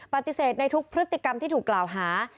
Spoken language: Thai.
ปฏิเสธในทุกพฤติกรรมที่ถูกกล่าวหา